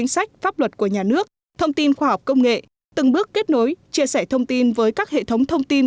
sách pháp luật của nhà nước thông tin khoa học công nghệ từng bước kết nối chia sẻ thông tin với các hệ thống thông tin